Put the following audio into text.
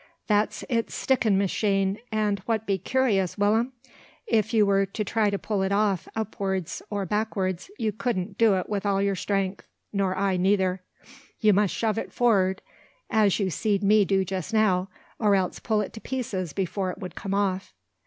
"That's its sticking machine; and, what be curious, Will'm, if you were to try to pull it off upwards or backwards you couldn't do it wi' all your strength, nor I neither: you must shove it forrard, as you seed me do just now, or else pull it to pieces before it would come off."